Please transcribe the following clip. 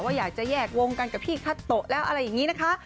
อยากจะแยกวงกันกับพี่คัตโตะแล้วอะไรอย่างนี้นะคะ